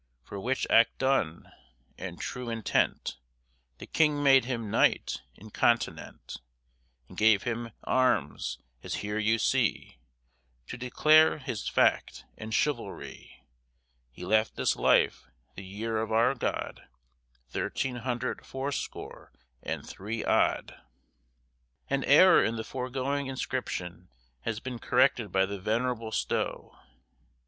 For which act done, and trew entent, The Kyng made him knyght incontinent And gave him armes, as here you see, To declare his fact and chivaldrie. He left this lyff the yere of our God Thirteen hundred fourscore and three odd. An error in the foregoing inscription has been corrected by the venerable Stow.